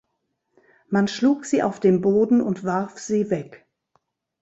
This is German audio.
Man schlug sie auf den Boden und warf sie weg.